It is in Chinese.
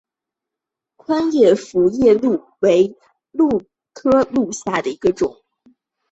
宽叶匐枝蓼为蓼科蓼属下的一个变种。